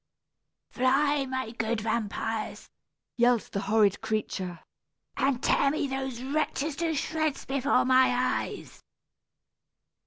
"Fly, my good vampires!" yelled the horrid creature, "and tear me those wretches to shreds before my eyes!"